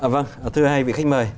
vâng thưa hai vị khách mời